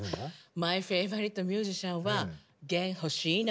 マイフェイバリットミュージシャンはゲン・ホシノ。